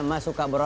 semisal udah korek